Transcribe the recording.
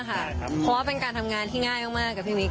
เพราะว่าเป็นการทำงานที่ง่ายมากกับพี่มิ๊ก